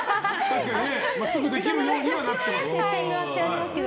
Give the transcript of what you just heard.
すぐできるようにはなってあります。